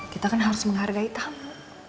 kita kan harus menghargai tamu